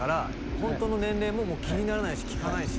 「ホントの年齢も気にならないし聞かないし」